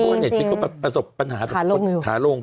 พี่ค่ะเอาถึงเน็ตพิก็ประสบปัญหาถารง